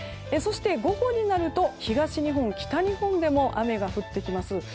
そして、午後になると東日本、北日本でも雨が降ってきます。